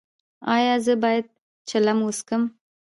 ایا زه باید چلم وڅکوم؟